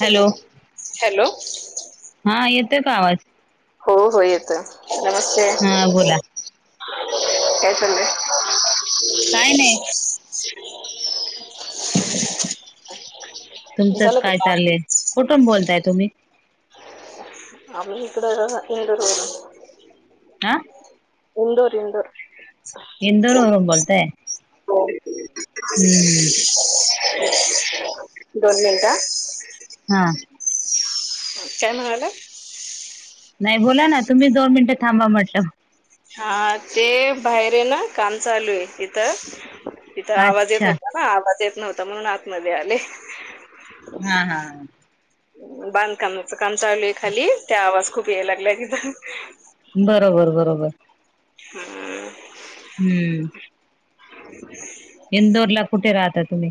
Hello hello. हा येतोय का आवाज? हो हो येतोय. नमस्ते. हा बोला काय चाललंय? काय नाही. तुमचंच झालं का काय काम? चाललंय? कुठून बोलताय तुम्ही? आम्ही इकडं, इंदोर वरुन. आ? इंदोर, इंदोर. इंदोर वरून बोलताय? हो. हम्म दोन मिनटं, आ. हा. काय म्हणालात? नाही बोला ना. तुम्ही दोन मिनिटं थांबा म्हटला. हा ते बाहेर आहे ना, काम चालू आहे इथं. इथं आवाज येत अच्छा होता. ह आवाज येत नव्हता, म्हणून आतमध्ये आले. हा हा बांधकामाच काम चालू आहे खाली, त्या आवाज खूप याय लागलाय तिथं. बरोबर, बरोबर. हा. हम्म. [unintelligible] इंदोरला कुठे राहता तुम्ही?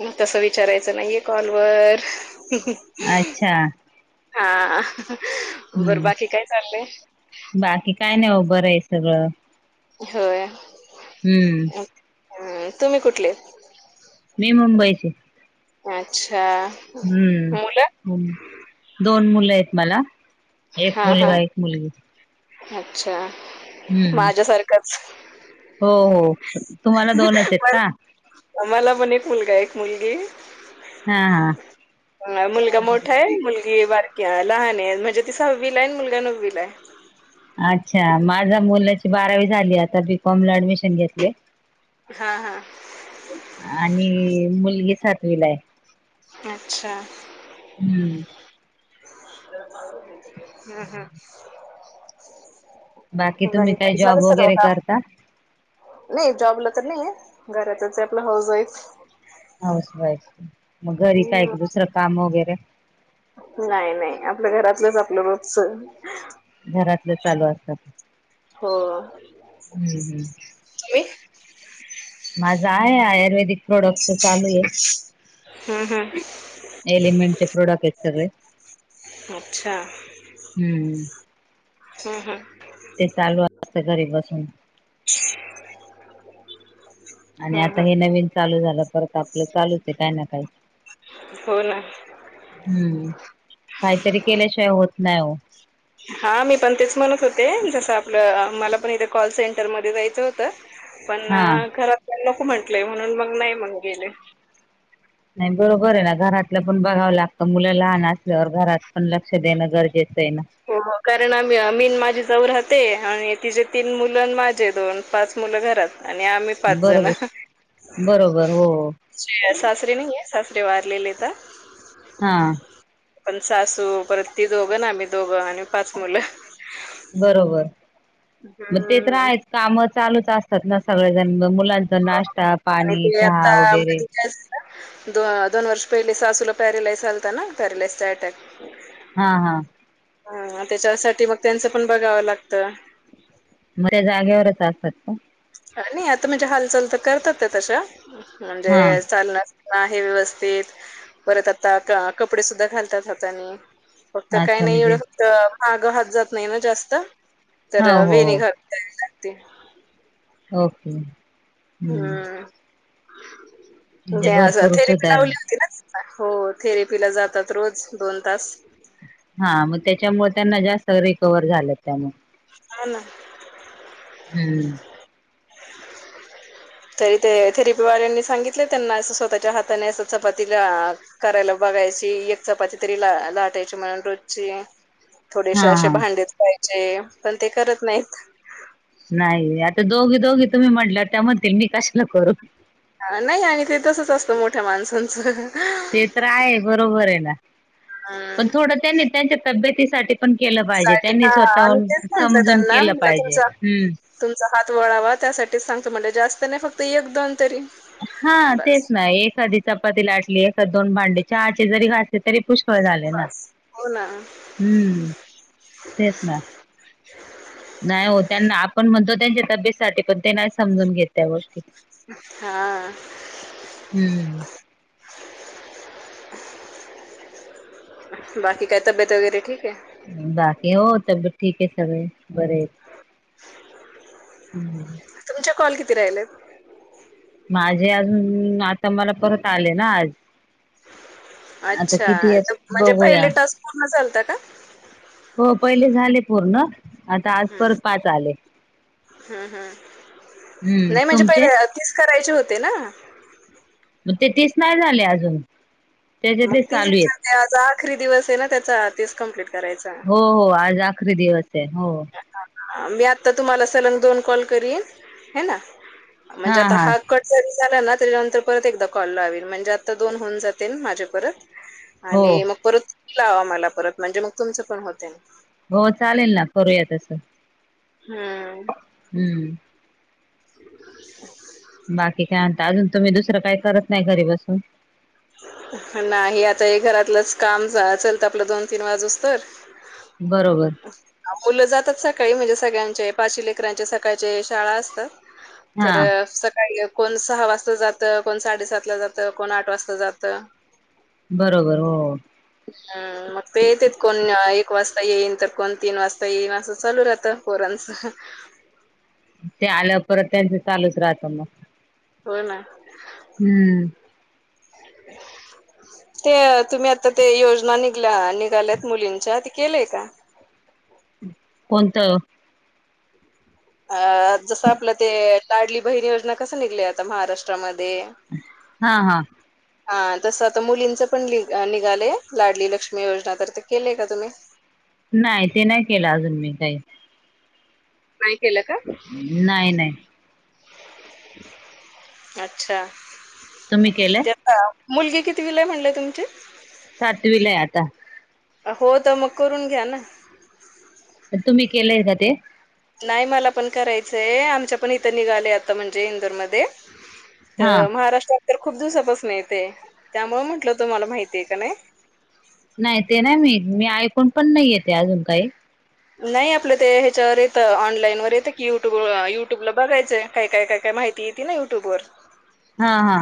मग तसं विचारायचं नाहीये कॉलवर. अच्छा. हा, बरं हम्म बाकी काय चाललंय? बाकी काय नाही ओ, बरं आहे सगळं. होय. हम्म. अ तुम्ही कुठले? मी मुंबईची. अच्छा. हम्म. मुलं? हो. दोन, मुलं आहेत मला, एक हां, मुलगा, हां. एक मुलगी अच्छा, हम्म माझ्यासारखंच, हो हो तुम्हाला दोनच आहेत पण का मला पण, एक मुलगा, एक मुलगी, हा हा ह, मुलगा मोठा आहे. मुलगी बारकी्या, लहान आहे, म्हणजे ती सहावीलाआहे. आणि मुलगा नववीला आहे. अच्छा, माझा मुल बारावी झाली, आता बीकॉम ला, ऍडमिशन घेतली. हा, हा आणि, मुलगी सातवीला आहे. अच्छा, हम्म, हम्, हम्, बाकी बाई तुम्ही काही काय, जॉब झालं सर्व वगैरे काम, करता नाही, जॉबला तर नाही आहे, घरातच आपला हाऊस वाईफ. हाऊस वाईफ, मग घरी काय, हं. एक दुसरं काम वगैरे, नाही, नाही आपलं घरातलंच, आपलं रोजच. घरातल चालू असत, हो. हम्म, हम्म तुम्ही? माझा आहे, आयुर्वेदिक प्रोडक्ट चालू आहे. हं, हं. एलिमेंटसचे, प्रॉडक्ट आहे सगळे. अच्छा, हम्म हम्, हम्, ते, चालू असत घरी बसून, [inaudible] आणि, आता हं. हे नवीन चालू झालं, परत आपलं चालूच आहे, काय ना काय, हो, ना, हम्म, काहीतरी केल्याशिवाय, होत नाही हो, हा, मी पण तेच म्हणत होते, जसं आपलं, मला पण इथे, कॉल सेंटरमध्ये जायचं होतं. पण, हा घरात नको म्हंटलंय, म्हणून मग नाही मग गेले. नाही, बरोबर आहे ना, घरातलं पण बघावं लागतं. मुलं लहान असल्यावर घरात पण लक्ष देणं, गरजेचं आहे ना. हो, मग कारण आम, मी आणि माझी जाऊ राहते, आणि तिचेे तीन मुलं, माझे दोन पाच मुलं घरात. आणि, आम्ही पाच जण बरोबर, बरोबर, हो सासरे नाहीआहे, सासरी वारलेले आहेत. हा, पणसासू, परत ती दोघं, आम्ही दोघं, आणि पाच मुलं. बरोबर, मग ते तर हम्म आहेच, काम चालूच असतात ना, सगळे जण मुलां. चा नाश्ता, पाणी, चहा वगैरे द -दोन वर्ष पहिले, सासूला पॅरालिसिसस आलता ना, पॅरालिसिसचा अटॅक, हा, हा हा, त्याच्यासाठी मग त्यांचं पण, बघावं लागतं. मग, त्या जागेवरच असतात का? नाही, आता म्हणजे, हालचाल तर करतात तशा, म्हणजे हा चालणार, हे, व्यवस्थित परत आता, कपडे सुद्धा घालतात हातानी, फक्त, काही अच्छा नाही म्हणजे एवढं फक्त माग हात जात नाही ना, जास्त तर हो हो वेनी घालून, काय सांगते? ओके, हम्म. म्हणजे आज भरपूर थेरीपी सुधार लावली होती ना? हो, थेरेपीला जातात रोज, दोन तास. हा, मग त्याच्यामुळे त्यांना जास्त रिकव्हर झालं त्यामुळे हा ना. हम्म. तरी ते, थेरेपी वाल्यांनी सांगितले त्यांना, असं स्वतःच्या हाताने असं चपातीला [unintelligible] करायला बघायची, यक चपाती तरी ला-लाटायची म्हणून रोजची. थोडेशे हा अशे हा भांडेच पायजे, पण ते करत नाईत. नाई, आता दोघी-दोघी तुम्ही म्हंटल्यावर, त्या म्हणतील मी कशाला करू नई आणि ते तसंच असतं मोठ्या माणसांचं ते तर आहे बरोबर ए ना, पण हम् थोडं त्यांनी त्यांच्या तब्येतीसाठी पण केलं पाहिजे, साठी हा त्यांनी आम्ही स्वतःहून तेच म्हटलं समजून त्यांना केलं म्हटलं पाहिजे, तुमचा हम्म. तुमचा हात वळावा त्यासाठीच सांगतो म्हणलं, जास्त नाई फक्त एक-दोन तरी. हा बस तेच ना, एखादी चपाती लाटली, एखादं दोन भांडे चहाचे जरी घासले तरी पुष्क सोय झाली ना, बस हो ना हम्म तेच ना नाही हो, त्यांना आपण म्हणतो त्यांच्या तब्येतीसाठी पण ते नाही समजून घेत त्या गोष्टी. हा. हम्म [inaudible] बाकी काय तबीयेत वगैरे ठीक ए? बाकी हो, तब्येत ठीक ए, सगळेच बरेयेत. [inaudible] तुमचे कॉल किती राहिलेत? माझे अजून, आता मला परत आले ना आज आता अच्छा, किती आहेत म्हणजे बघूया पहिले टास्क पूर्ण झालतं का? हो, पहिले झाले पूर्ण, आता आज परत पाच आले. हम्म हम्म, नाई म्हणजे पहिलं, तीस करायचे होते ना? मग, ते तीस नाही झाले अजून? [inaudible] त्याच्यातले मग तेच चालू आहेत विचारते आज आखरी दिवस ए ना त्याचा, तीस कमप्लीट करायचा. तेन हो मी आत्ता तुम्हाला सलंन दोन कॉल करीन, हे ना म्हणजे आता हा कट जरी झाला ना, त्याच्यानंतर परत एकदा कॉल लावीन म्हणजे आता दोन होऊन जातील माझे परत. हो आले मग परत तुम्ही लावा मला परत, म्हणजे मग तुमचं पण होतील. हो चालेल ना, करूया तसं. हम्म हम्म. [inaudible] बाकी काय आता, अजून तुम्ही दुसरं काही करत नाई घरी बसून? नाही, आता हे घरातलंच काम आसल तर आपलं दोन-तीन वाजूस तर बरोबर [inaudible] मुलं जातात सकाळी म्हणजे सगळ्यांचे पाची लेकरांचे सकाळचे शाळा असतात. हा तरं सकाळी कोण सहा वाजता जातं, कोण साडेसातला जातं, कोण आठ वाजता जातं बरोबर, हो. हा मग ते येतेत कोण एक वाजता येईन, तर कोण तीन वाजता येईन, असं चालू राहतं पोरांचं. [inaudible] ते आल्याव परत त्यांचं चालूच राहतं मग. हो ना. हम्म. [inaudible] ते तुम्ही आत्ता ते योजना निघल्या, निघाल्यात मुलींच्या ते केलंय का कोणतं अ जसं आपलं ते, लाडली बहीण योजना कसं निघलंय आता महाराष्ट्रामध्ये हा हा ह [inaudible] हा तसं आता मुलींचं पण लीग निघालंय लाडली लक्ष्मी योजना तर ते केलंय का तुम्ही नाय ते नाही केलं अजून मी काही. नाय केलं का नाय नाय अच्छा तुम्ही केलंय ते आता मुलगी कितवीलाय म्हणले तुमची सातवीलाय आता हो तर मग करून घ्या ना पण तुम्ही केलंय का ते नाय मला पण करायचंय आमच्या पण इथं निघालंय आता म्हणजे इंदोरमध्ये हा तर महाराष्ट्रात तर खूप दिवसापासून आहे ते त्यामुळं म्हंटलं तुम्हाला माहिते का नाय. नाही ते नाही माहीत मी ऐकून पण नाहीये ते अजून काही नाय आपलं ते ह्याच्यावर येतं ऑनलाईन वर येतं की युट्यूब युट्यूबला बघायचं काय काय काय काय माहि ती इती ना युट्यूबवर हा हा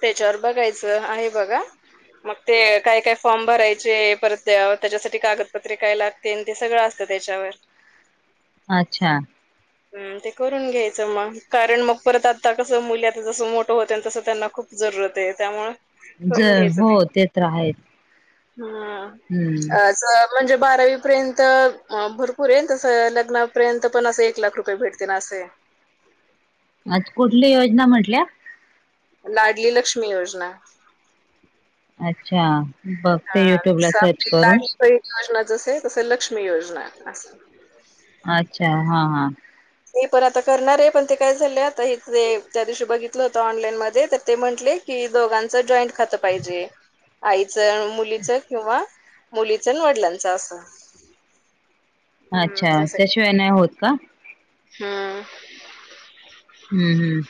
त्याच्यावर बघायचं आहे बघा मग ते काय काय फॉर्म भरायचे परत त्याव त्याच्यासाठी कागदपत्रे काय लाग तेन ते सगळं असतं त्याच्यावर अच्छा हम्म ते करून घ्यायचं मग कारण मग परत आत्ता कसं मुली आता जसं मोठं होत्याल तसं त्यांना खूप जरूरत आहे त्यामुळं जर हो ते तर आहे हम्म अ ज म्हणजे बारावीपर्यंत भरपूरये तसं लग्नापर्यंत पण असं एक एक लाख रुपये भेटतीन असंय अच्छ कुठली योजना म्हंटल्या लाडली लक्ष्मी योजना अच्छा बघते युट्यूबला सर्च करून बहिण योजना जसंय तसं लक्ष्मी योजना असं अच्छा हा हा मी पण आता करणार आहे पण ते काय झाले आता हे ते त्या दिवशी बघितलं होत ऑनलाईन मध्ये तर ते म्हंटले की दोघांचं जॉईंट खातं पाहिजे आईचं अन मु लीचं किंवा मुलीचं न वडलांचं असं हम्म अच्छा, त्याशिवाय नाही होत का? हा. हम्म हम्म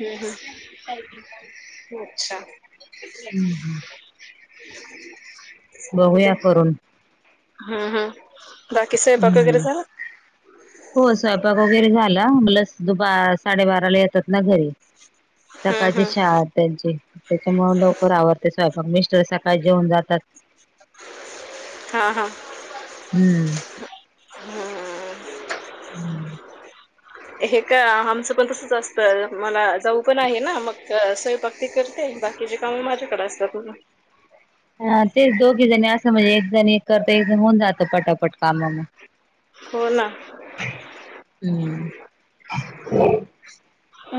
हं हं अच्छा. हम्म हम्म. बघूया चालतंय. करून हम हम बाकी स्वयंपाक वगैरे हम्म झाला? हो स्वयंपाक वगैरे झाला, मुलं दुपा साडेबाराला येतात ना घरी. हम्म सकाळची हम्म शाळा त्यांची त्यांच्यामुळे लवकर आवरते स्वयंपाक मिस्टर सकाळीच जेवून जातात. हा हा. हम्म. हम्म हे का आमचं पण तसंच असतं मला जाऊ पण आहे ना मग. तर स्वयंपाक ती करते, बाकीची कामं माझ्याकडे असतात म. ह तेच दोघी जण असं म्हणजे एक जण एक करत एकजण होऊन जातं पटापट काम म. हो ना हम्म.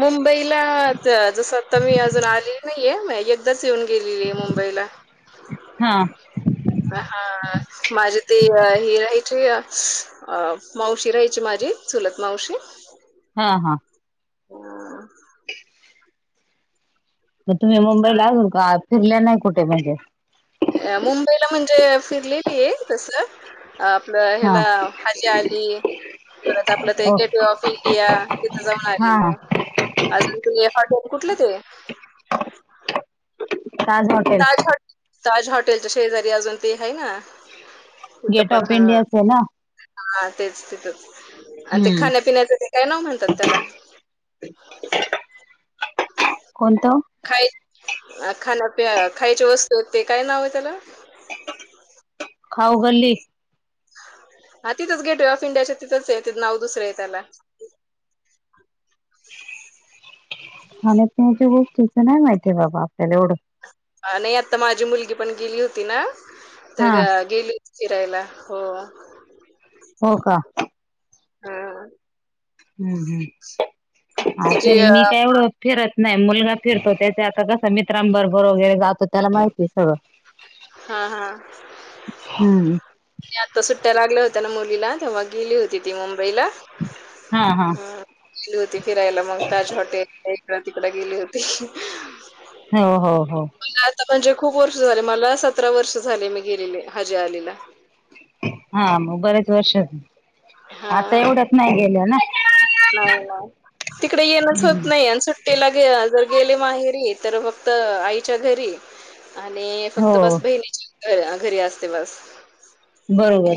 मुंबईला जसं आता मी अजून आलेली नाहीये, आताच येऊन गेलेली आहे मुंबईला. हा. हा माझे ते हे राहायचे अ मावशी राहायची माझी चुलत मावशी. हा हा. [inaudible] मग तुम्ही मुंबईला आजून का फिरल्या नाही कुठे म्हणजे? अ मुंबईला म्हणजे फिरलेली आहे तसं. आपलं हा ह्याला हजी आली परत आपलं ते ओ गेटवे ऑफ इंडिया तिथं जाऊन हा आलेली हा आहे. [unintelligible] कुठलं ते ताज हाॅटे हाॅट.. ताज हॉटेलच्या शेजारी अजून ते आहे ना. तिथं गेट पण ऑफ हा, इंडियाच आहे ना हा तेच तिथंच. आणि ते हम्म खाण्यापिण्याच ते काय नाव म्हणतात त्याला? कोणतं? खाय खाण्यापि खायच्या वस्तू आहेत ते काय नाव आहे त्याला? खाऊ गल्ली. हा तिथंच गेट वे ऑफ इंडिया तिथंच आहे ते नाव दुसरं आहे त्याला. खाण्यापिण्याच्या गोष्टीचं नाही माहितीे बाबा आपल्याला एवढं. नाही आता माझी मुलगी पण गेली होती ना तर हा गेली फिरायला हो. हो का. हम्म. हम्म हम्म तिची असेल अ, मी काय एवढं फिरत नाही मुलगा फिरतो त्याचे आता कसा मित्रांबरोबर वगैरे जातो त्याला माहित य सगळं. हा हा. हम्म ती आता सुट्ट्या लागल्या होत्या ना मुलीला तेव्हा गेली होती ती मुंबईला. हा हा. गेली होती फिरायला मग ताज हॉटेल इकड तिकड गेली होती. हो हो हो. मला आता म्हणजे खूप वर्ष झाले मला सतरा वर्ष झाले मी गेलेले हजे आलेला. हा मग बरेच वर्ष, हा आता हा एवढ्यात नाही गेल्या ना? नाही नाही तिकड येनच होत हम्म नाही आणि सु ट्टीला जर गेले माहेरी तर फक्त आईच्या घरी आणि फक्त हो बस बहिणीच्या घ घरी असते बस. बरोबर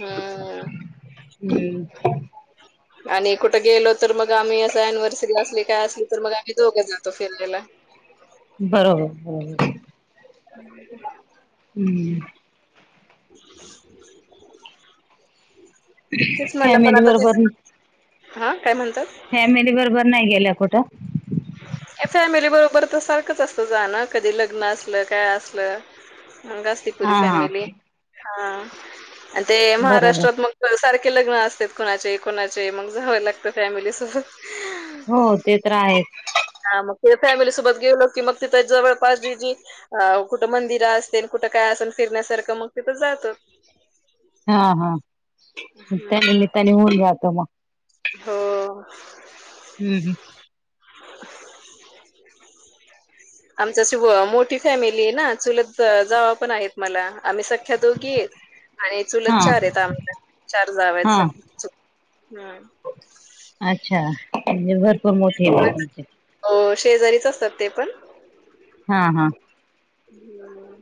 हम्म हम्म. आणि कुठं गेलो तर मग आम्ही असं अनिव्हर्सरी असली काय असली तर मग आम्ही दोघे जातो फिरनिला. बरोबर बरोबर. हम्म [inaudible] तिच मला पण फॅमिली आता तिच बरोबर आं काय म्हणतात? फॅमिली बरोबर नाही गेलात कुठं? फॅमिली बरोबर तर सारखंच असत जाण, कधी लग्न असलं, काय असलं. मग असती पुरी हा हा फॅमिली हा आणि ते बरोबर महाराष्ट्रात मग सारखे लग्न असतेत कुणाचे कोणाचे मग जावं लागतं फॅमिलीसोबत. हो ते तर आहे. हा मग तिथ फॅमिलीसोबत गेलो की मग तिथे जवळ पास जि जि अ कुठं मंदिरं असतील, कुठं काय असल फिरण्यासारखं मग तिथं जातोत. हा हा मग त्या हं. निमित्तान होऊन जात मग. हो. हम्म हम्म. आमची अशी मोठी फॅमिली आहे ना, चुलत जावा पण आहेत मला आम्ही स ख्ख्या दोघीत आणि हा चुलत चार आहेत आम्हाला चार जावेत हा सगळ च हम्म. अच्छा म्हणजे भरपूर मोठी आहे तुमची. हो शेजारीच असतात ते पण. हा हा. हं.